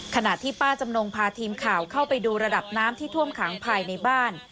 ขณะที่ป้าจำนงพาทีมข่าวเข้าไปดูระดับน้ำที่ท่วมขังภายในบ้าน